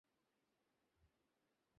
আমাকে এক সৎকর্মপরায়ণ সন্তান দান কর।